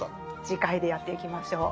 次回でやっていきましょう。